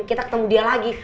kita ketemu dia lagi